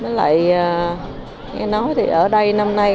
nghe nói ở đây năm nay